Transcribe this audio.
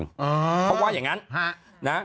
เขาว่าอย่างนั้น